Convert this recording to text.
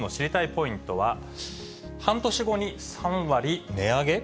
ポイントは半年後に３割値上げ？